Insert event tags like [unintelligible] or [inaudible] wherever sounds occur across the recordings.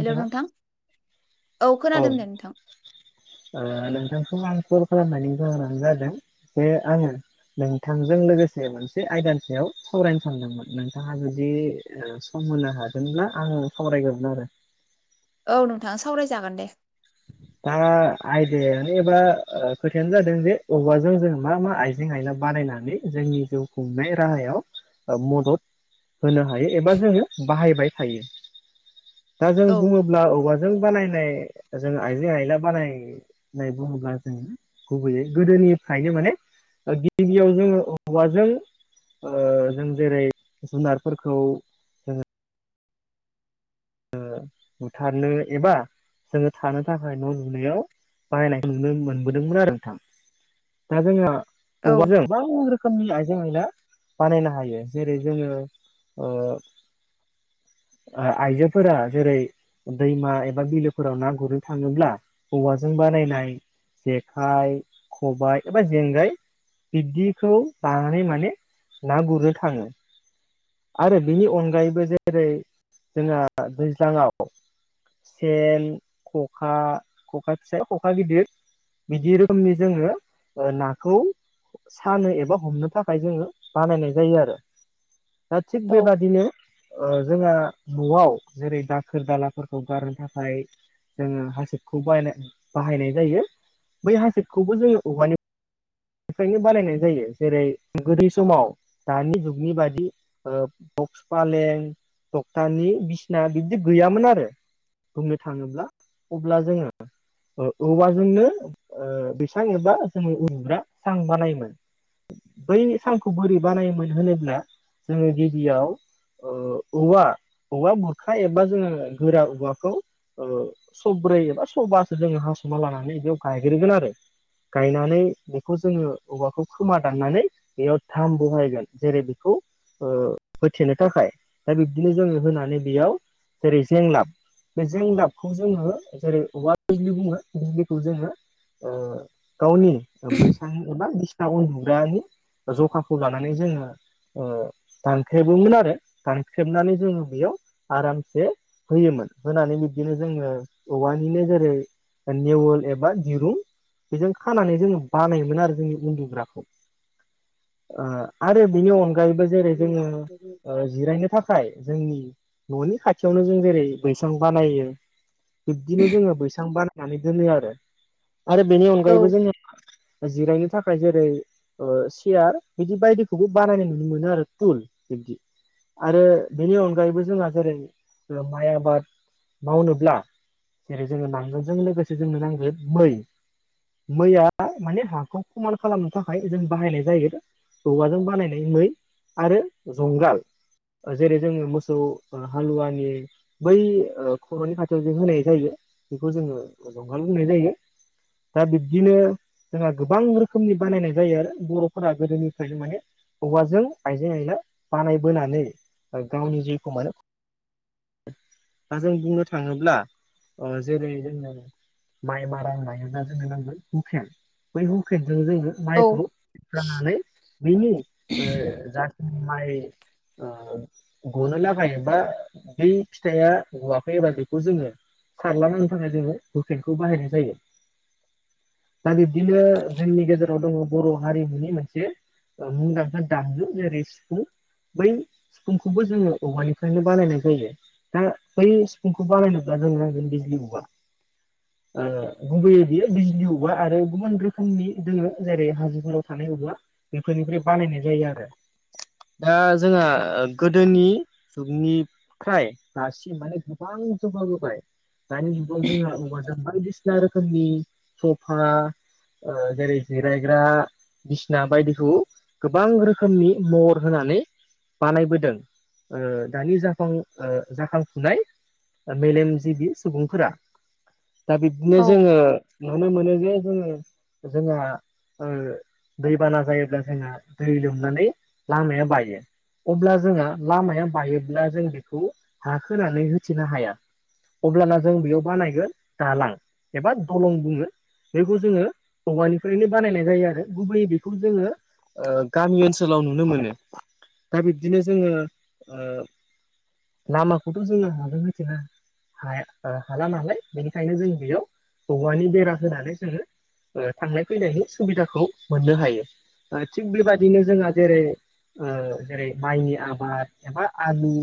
Hello नोंथां औ खोनादों दे नोंथां ओ नोंथांखौ आं कल खालामनानै जाहोनानो जादों बे आङो नोंथांजों लोगोसे मोनसे आयदानि सायाव सावरायनो सानदोंमोन नोंथाङा जुदि ओ सम होनो हागोनब्ला आं सावरायगौमोन आरो औ नोंथाङ सावरायजागोन दे दा आयदायानो एबा ओ खोथायानो जादों जे औवाजों जों मा मा आइजें आइना बानायनानै जोंनि जिउ खुंनाय राहायाव ओ मदद होनो हायो एबा जोङो बाहायबाय थायो दा जों औ बुङोब्ला औवाजों बानायनाय जों आइजें आयला बानाय नाय बुङोब्ला जों गुबैयै गोदोनिफ्रायनो माने गिबियाव जोङो हौवाजों ओ जों जेरै जुनारफोरखौ ओ बुथारनो एबा जोङो थानो थाखाय न' लुनायाव बाहायनायखौ नुनो मोनबोदोंमोन आरो नोंथां दा जोंहा औ औवाजों गोबां रोखोमनि आइजें आयला बानायनो हायो जेरै जोङो ओ आइजोफोरा जेरै दैमा एबा बिलोफोराव ना गुरनो थाङोब्ला औवाजों बानायनाय जेखाइ, खबाय एबा जेंगाय बिब्दिखौ लानानै माने ना गुरनो थाङो आरो बेनि अनगायैबो जेरै जोंहा दैज्लाङाव सेन खखा खखा फिसा खखा गिदिर बिदि रोखोमनि जोङो ओ नाखौ सानो एबा हमनो थाखाय जोङो बानायनाय जायो आरो दा थिग औ बेबादिनो ओ जोंहा न'आव जेरै दाखोर दालाफोरखौ गारनो थाखाय जोङो हासिबखौ बाय बाहायनाय जायो बै हासिबखौबो जोङो औवानि फ्रायनो बानायनाय जायो जेरै गोदै समाव दानि जुगनि बादि ओ पक्स फालें टक्टानि बि सिना बिबदि गैयामोन आरो बुंनो थाङोब्ला अब्ला जोङो औवाजोंनो ओ बैसां एबा जोङो उनदुग्रा सां बानायोमोन बै सांखौ बोरै बानायोमोन होनोब्ला जोङो गिबियाव ओ औवा औवा बुरखा एबा जोङो गोरा औवाखौ ओ सब्रै एबा सबासो जोङो हास'ना लानानै बेयाव गायग्रोगोन आरो गायनानै बेखौ जोङो औवाखौ खोमा दाननानै बेयाव थाम बहायगोन जेरै बेखौ ओ होथेनो थाखाय दा बिब्दिनो जोङो होनानै बेयाव जेरै जेंलाब बे जेंदाबखौ जोङो [unintelligible] बुङो [unintelligible] जोङो गावनि बैसां एबा बि उन्दुग्रानि जखाखौ लानानै जोङो। दानख्रेबममोन आरो दानख्रेबनानै जोङो बेयाव आरामसे होयोमोन होनानै बिदिनो जोङो औवानिनो जेरै नेवल एबा दिरु बेजों खानानै जोङो बानायोमोन आरो जोंनि उन्दुग्राखौ आरो बेनि अनगायैबो जेरै जोङो जिरायनो थाखाय जोंनि न'नि खाथियावनो जों जेरै बैसां बानायो बिब्दिनो जोङो बैसां बानायनानै दोनो आरो आरो बेनि अनगायैबो औ जोङो जिरायनो थाखाय जेरै ओ सियार बिदि बायदिखौबो बानायनाय नुनो मोनो आरो टुल बिब्दि आरो बेनि अनगायैबो जोंहा जेरै माइ आबाद मावनोब्ला जेरै जोङो नांगोनजों लोगोसे जोंनो नांगोन मै मैया माने हाखौ समान खालामनो थाखाय जों बाहायनाय जायो। औवाजों बानायनाय मै आरो जुंगाल जेरै जोङो मोसौ ओ हालुवानि बै खर'नि खाथियाव जों होनाय जायो बेखौ जोङो जंगाल होननाय जायो दा बिब्दिनो जोंहा गोबां रोखोमनि बानायनाय जायो आरो बर'फोरा गोदोनिफ्रायनो माने औवाजों आइजें आइला बानायबोनानै ओ गावनि जिउखौ माने दा जों बुंनो थाङोब्ला ओ जेरै जोंनो माइ मारां होनाय जोंनो नांगोन हुकेन बै हुकेनजों जोङो औ माइखौ बाननानै बिनि ओ जाथ माइ ओ ग'नो लागाया बा बे फिथाइया गवाखै एबा बेखौ जोङो सारलाना होनो थाखाय जोङो हुकेेनखौ बाहायनाय जायो। दा बिब्दिनो जोंनि गेजेराव दङ' बर' हारिमुनि मोनसे ओ मुंदांखा दामजु जेरै सिफुं बै सिफुंखौबो जोङो औवानि फ्रायनो बानायनाय जायो दा बै सिफुंखौ बानायनोब्ला जोंनो नांगौ बिजलि औवा [inaudible] ओ गुबैयै बियो बिजलि औवा आरो गुबुन रोखोमनि दोङो जेरै हाजोफोराव थानाय औवा बेफोरनिफ्राय बानायनाय जायो आरो दा जोंहा ओ गोदोनि निफ्राय दासिम माने गोबां जौगाबोबाय दानि जुगाव जोंहा औवाजों बायदिसिना रोखोमनि सफा ओ जेरै जिरायग्रा बिसना बायदिखौ गोबां रोखोमनि महर होनानै बानायबोदों ओ दानि जाखां जाखांफुनाय ओ मेलेम जिबि सुबुंफोरा दा बिब्दिनो जोङो नुनो मोनो जे जोंयो जोंहा ओ दैबाना जायोब्ला जोंहा दै लोमनानै लामाया बायो अब्ला जोंहा लामाया बायोब्ला जों बेखौ हा खोनानै होथेनो हाया। अब्लाना जों बेयाव बानायगोन दालां एबा दलं बुङो बेखौ जोङो औवानिफ्रायनो बानायनाय जायो आरो गुबैयै बेखौ जोङो ओ गामि ओनसोलाव नुनो मोनो दा बिब्दिनो जोङो लामाखौथ' जोङो हाजों होथेनानै हाया हाला नालाय बेनिखायनो जों बेयाव औवानि बेरा होनानै जोङो ओ थांलाय फैलायनि सुबिदाखौ मोननो हायो। ओ थिग बेबायदिनो जोंहा जेरै जेरै माइनि आबाद एबा आलु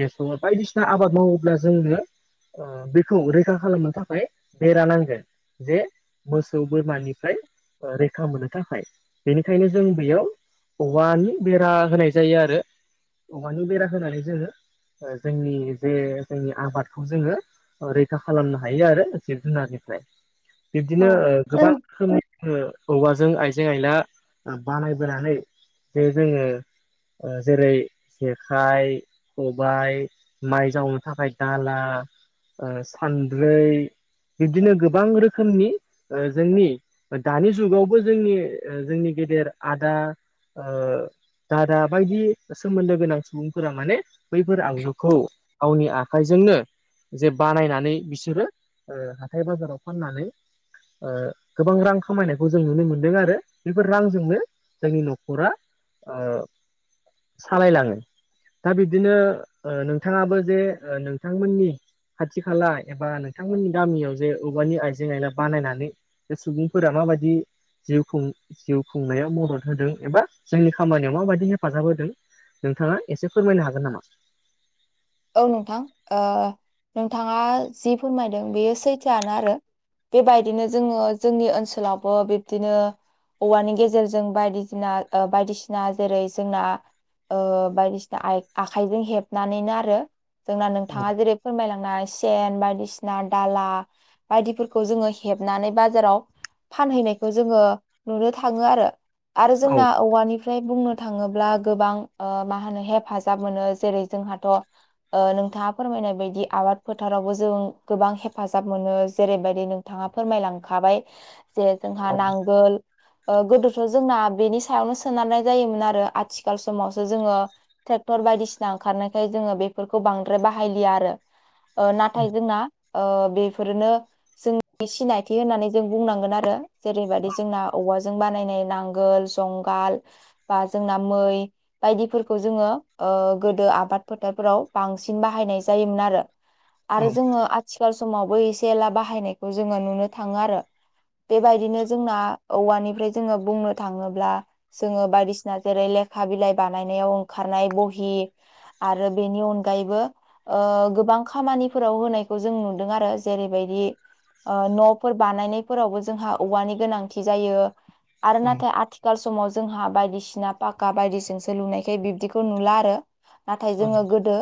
बेसर बायदिसिना आबाद मावोब्ला जोङो ओ बेखौ रैखा खालामनो थाखाय बेेरा नांगोन। जे मोसौ बोरमानिफ्राय रैखा मोननो थाखाय बेनिखायनो जों बेयाव औवानि बेरा होनाय जायो आरो औवानि बेरा होनानै जोङो ओ जोंनि जे जोंनि आबादखौ जोङो रैखा खालामनो हायो आरो जिब जुनारनिफ्राय बिब्दिनो औ ओ औ गोबां रोखोमनि जोङो औबवाजों आइजें आइला ओ बानायबोनानै जे जोङो ओ जेरै जेखाइ, खबायाइ, माइ जावनो थाखाय दाला ओ सानद्रै बिदिनो गोबां रोखोमनि जोंनि ओ दानि जुगावबो जोंनि जोंनि गेदेर आदा दा दा ब बिदि सोमोन्दो गोनां सुबुंफोरा माने बैफोर आगजुखौ गावनि आखाइजोंनो जे बानायनानै बिसोरो हाथाय बाजाराव फाननानै गोबां रां खामायनायखौ जों नुनो मोनदों आरो बेफोर रांजोंनो जोंनि न'खरा सालायलाङो दा बिदिनो नोंथाङाबो जे नोंथांमोननि खाथि खाला एबा नोंथांमोननि गामियाव जे औबवानि आइजें आयला बानायनानै बे सुबुंफोरा माबाददि जि जिउ खुंनायाव मदद होदों एबा जोंनि खामानियाव माबायदि हेफाजाब होदों नोंथाङा एसे फोरमायनो हागोन नामा औ नोंथां नोंथाङा जि फोरमायदों बेयो सैथोआानो आरो बेबायदिनो जोङो जोंनि ओनसोलावबो बिब्दिनो औवानि गेजेरजों बायदिसिना बायदिसिना जेरै जोंना बायदिसिना आखाइजों हेबनानैनो आरो जोंना औ नोंथाङा जेरै फोरमायलांनाय सेन बायदिसिना दाला बायदिफोरखौ जोङो हेबनानै बाजाराव फानहैनायखौ जोङो नुनो थाङो आरो आरो औ जोंना औवानि मफ्राय बुंनो थाङोब्ला गोबां मा होनो हेफाजाब मोनो जेरै जोंहाथ' नोंथाङा फोरमायनाय बायदि आबाद फोथारावबो जों गोबां हेफाजाब मोनो जेरैबायदिों बिथाङा फोरमायलांखाबाय जे औ जोंहा नांगोल गोदोथ' जोंना बेनि सायावनो सोनारनाय जायोमोन आरो आथिखाल समावसो जोङो ट्रेक्टर बायदिसिना ओंखारनायखाय जोङो बे बेफोरखौ बांद्राय बाहायलिया आरो औ नाथाय जोंना बेफोरनो जोंनि सिनायथि होननानै जों बुंनांगोन आरो जेरैबादि जोंना औवाजों बानायनाय नांगोल जंगाल बा जोंना मै बायदिफोरखौ जोङो गोदो आबाद फोथारफोराव बांसिन बाहायनाय जायोमोन आरो औ आरो जोङो सिखखार समावबो एसे एला बाहायनायखौ जोङो नुनो थाङो आरो बेबायदिनो जोंना औवानिफ्राय जोङो बुंनो थाङोब्ला जोङो बायदिसिना जेरै लेखा बिलाइ बानायनायाव ओंखारनाय बहि आरो बेनि उन अनगायैबो गोबां खामानिफोराव होनायखौ जों नुदों आरो जेरैबायदि न'फोर बानायनायफोरावबो जोंहा औवानि गोनांथि जायो आरो नाथाय आथिखाल आथिखाल समाव जोंहा बायदिसिना पाका बायदिजोंसो लुनायखाय बिब्दिखौ नुला आरो नाथाय औ जोङो गोदो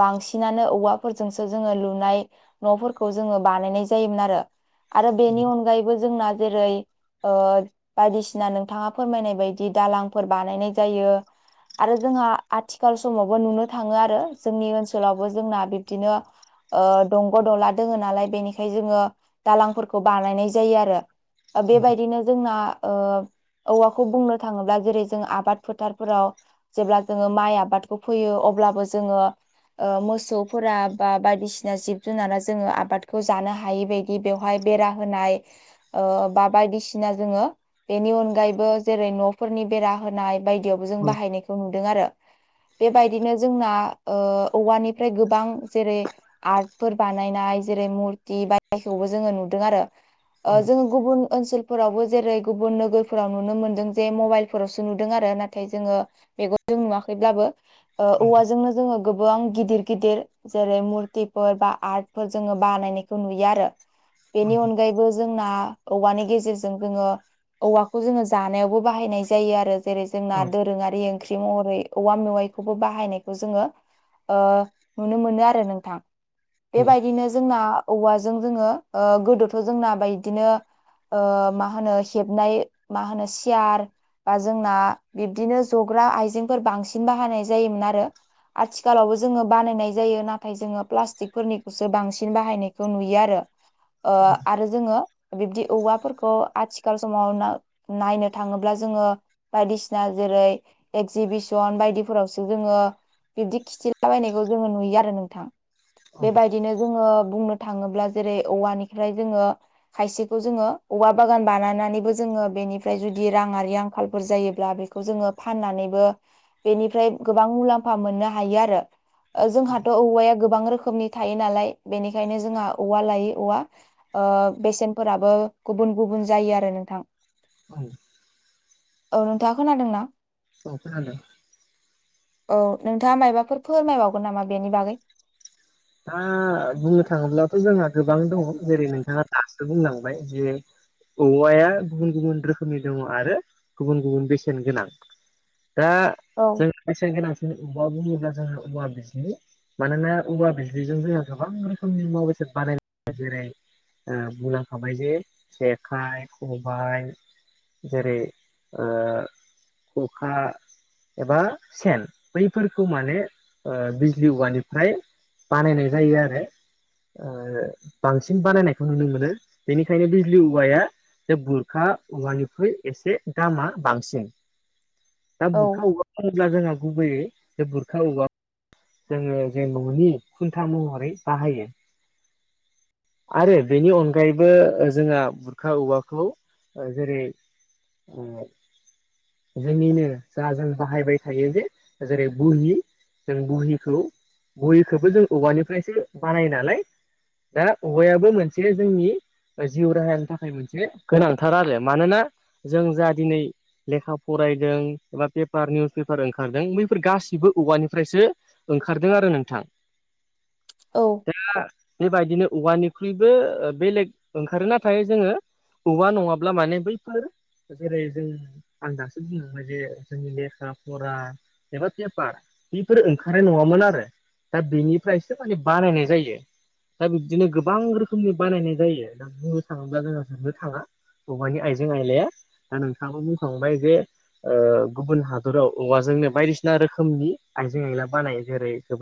बांसिनानो औवाफोरजोंसो जोङो लुनाय न'फोरखौ जोङो बानायनाय जायोमोन आरो आरो औ बेनि अनगायैबो जोंना जेरै बायदिसिना नोंथाङा फोरमायनाय बायदि दालांफोर बानायनाय जायो आरो जोंहा आथिखाल समावबो नुनो थाङो आरो जोंनि ओनसोलावबो जोंना बिब्दिनो दंग' दला दोङो नालाय बेनिखाय जोङो दालांफोरखौ बानायनाय जायो आरो बेबायदिनो जोंना औवाखौ बुंनो थाङोब्ला जेरै जों आबाद फोथारफोराव जेब्ला जोङो माइ आबादखौ फोयो अब्लाबो जोङो मोसौफोरा बा बायदिसिना जिब जुनारा जोङो आबादखौ जानो हायि बाय दि बेवहाय बेरा होनाय बा बायदिसिना जोङो बेनि अनगायैबो जेरै न'फोरनि बेरा होनाय बायदियाव जों औ बाहायनायखौ नुदों आरो बेबायदिनो जोंना औवानिफ्राय गोबां जेरै आर्टफोर बानायनाय जेरै मुरथि बायायखौबो जोङो नुदों आरो जोङो गुबुन ओनसोलफोरावबो जेरै गुबुन नोगोरफोराव नुनो मोनदों जे मबाइलफोरावसो नुदों आरो ना नाथाय जोङो मेगनजों नुवाखैब्लाबो औवाजोंनो जोङो गोबां गिदिर गिदिर जेरै मुरथिफोर बा आर्टफोर जोङो बानायनायखौ नुयो आरो। बेनि अनगायैबो जोंना औवानि गेजेरजों जोङो औवाखौ जोङो जानायावबो बाहायनाय जायो आरो जेरै जोंना दोरोङारि ओंख्रि महरै औवा मेवाइखौबो बाहायनायखौ जोङो ओ नुनो मोनो आरो नोंथां बेबायदिनो जोंना औवाजों जोङो ओ गोदोथ जोंनाबो बायदिनो ओ मा होनो सेबनाय मा होनो सियार बा जोंना बिब्दिनो जग्रा आइजेंफोर बांसिन बाहायनाय जायोमोन आरो आथिखालावबो जोङो बानायनाय जायो नाथाय जोङो प्लास्टिकफोरनिखौसो बांसिन बाहायनायखौ नुयो आरो। ओ आरो जोङो बिब्दि औवाफोरखौ आथिखाल समाव नायनो थाङोब्ला जोङो बायदिसिना जेरै एगजिबिसन बायदिफोरावसो जोङो बिदि खिथिलाबायनायखौ जोङो नुयो आरो नोंथां। बेबायदिनो जोङो बुंनो थाङोब्ला जेरै औवानिफ्राय जोङो खायसेखौ जोङो औवा बागान बानायनानैबो जोङो बेनिफ्राय जुदि राङारि आंखालफोर जायोब्ला बे बेखौ जोङो फाननानैबो बेनिफ्राय गोबां मुलाम्फा मोननो हायो आरो। जोंहाथ औवाया गोबां रोखोमनि थायो नालाय बेनिखायनो जोंहा औवा लायै औवा ओ बेसेनफोराबो गुबुन गुबुन जायो आरो नोंथां। औ ओ नोंथाङा खोनादों ना? औ खोनादों। औ नोंथाङा मायबाफोर फोरमायबावगोन नामा बेनि बागै? दा बुंनो थाङोब्लाथ जोंहा गोबां दङ जेरै नोंथाङा दासो बुंलांबाय जे औवाया गुबुन गुबुन रोखोमनि दङ आरो गुबुन गुबुन बेसेन गोनां। दा औ जों बेसेन गोनांसिनि औवा बुङोब्ला जोङो औवा बिजलि मानोना औवा बिज लिजों जोंहा गोबां रोखोमनि मुवा बेसाद बानायनाय जायो जेरै बुंलांखाबाय जे जेखाइ खबाय जेरै ओ खुखा एबा सेन बैफोरखौ माने बिजलि औवानिफ्राय बानायनाय जायो आरो ओ बांसिन बानायनायखौ नुनो मोनो बेनिखायनो बे लिउ औवाया जे बुरखा औवानिख्रुै एसे दामा बांसिन। दा औ बुरखा औवा होनोब्ला जोंहा गुबुबैयो जे बुरखा औवा जोङो जे ननि खुन्था महरै बाहायो। आरो बेनि अनगायैबो जोंहा बुरखा औवाखौ ओ जेरै खुंनो जोंनिनो जा जों बाहायबाय थायो जे जेरै बुहि जों बुहिखौ बुहिखौबो जों औवानिफ्रायसो बानायो नालाय दा औवायाबो मोनसे जोंनि जिउ राहानि थाखाय मोनसे गोनांथार आरो मानोना जों जा दिनै लेखा फरायदों एबा पेपार निउस पेपार ओंखारदों बैफोर गासिबो औवानिफ्रायसो ओंखारदों आरो नोंथां। औ दा बेबायदिनो औवानिख्रुइबो बेलेग ओंखारो नाथाय जोङो औबवा नङाब्ला माने बैफोर जेरै जों आं दासो बुं मोने जोंनि लखाा फरा एबा पेपार बेफोर ओंखारनाय नङामोन आरो दा बेनिफ्रायसो माने बानायनाय जायो दा बिब्दिनो गोबां रोखोमनि बानायनाय जायो दा बुंनो थाङोब्ला जोंहा सोंनो थाङा औवानि आयजें-आइलाया दा नोंथाङाबो बुंखांबाय जे गुबुन हादराव औवाजोंनो बायदिसिना रोखोमनि आइजें आयला बानाय जेरै गोबां